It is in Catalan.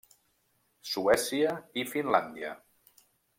Suècia i Finlàndia.